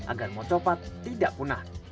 agar mocopad tidak punah